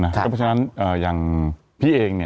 เพราะฉะนั้นอย่างพี่เอง